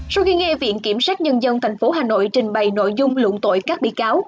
sau khi nghe viện kiểm sát nhân dân tp hà nội trình bày nội dung luận tội các bị cáo